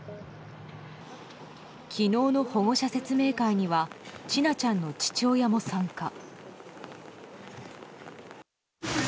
昨日の、保護者説明会には千奈ちゃんの父親も参加。